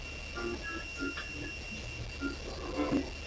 Actualmente en Japón se la considera una película de culto.